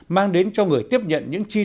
mang đến cho người tiếp nhận những chi thức